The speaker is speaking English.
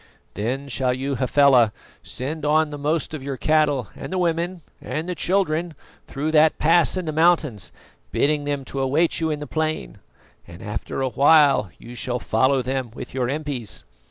"Then shall you, Hafela, send on the most of your cattle and the women and the children through that pass in the mountains, bidding them to await you in the plain, and after a while you shall follow them with your impis.